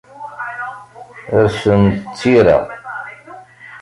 Rsen d tira.